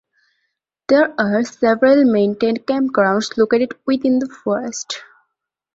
There are several maintained campgrounds located within the forest.